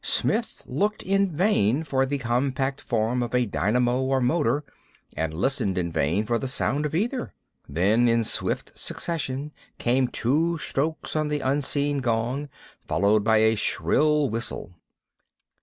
Smith looked in vain for the compact form of a dynamo or motor, and listened in vain for the sound of either. Then, in swift succession, came two strokes on the unseen gong, followed by a shrill whistle.